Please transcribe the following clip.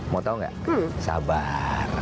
mau tahu nggak sabar